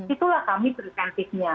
itulah kami presentifnya